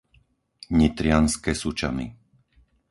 Nitrianske Sučany